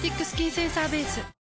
センサーベース」